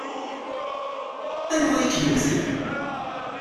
Anwa i k-yewwten?